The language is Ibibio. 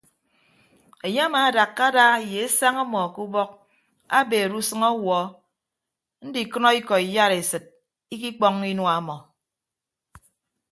Enye amaadakka ada ye esañ ọmọ ke ubọk abeere usʌñ awuọ ndikʌnọ ikọ iyaresịt ikikpọññọ inua ọmọ.